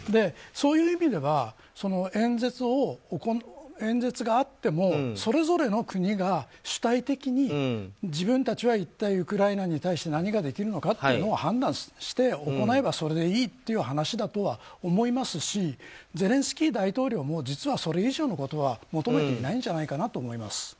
そういう意味では演説があってもそれぞれの国が主体的に自分たちは一体ウクライナに対して何ができるのかっていうのを判断して行えばそれでいいという話だとは思いますしゼレンスキー大統領も実はそれ以上のことは求めていないんじゃないかなと思います。